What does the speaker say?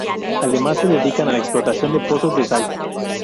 Además se dedican a la explotación de pozos de sal.